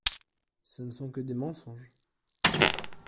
Ce ne sont que des mensonges !